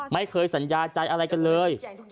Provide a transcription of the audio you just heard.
ไม่เคยสัญญาใจอะไรกันเลย